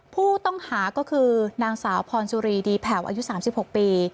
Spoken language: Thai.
ผู้ต้องหาก็คือนางสาวพรสุรีดีแผ่วอายุ๓๖ปี